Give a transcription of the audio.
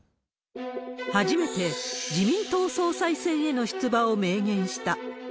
初めて自民党総裁選への出馬を明言した。